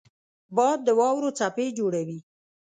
باد د واورو څپې جوړوي